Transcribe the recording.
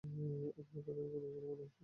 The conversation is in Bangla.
আপনাকে আধুনিক মানুষ বলে মনে হচ্ছে।